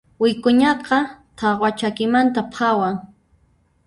Wik'uñaqa tawa chakimanta phawan.